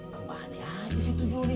kemahannya aja sih tuh juri